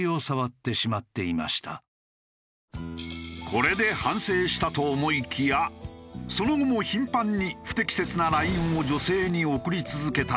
これで反省したと思いきやその後も頻繁に不適切なＬＩＮＥを女性に送り続けたという。